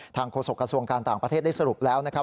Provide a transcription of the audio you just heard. โฆษกระทรวงการต่างประเทศได้สรุปแล้วนะครับ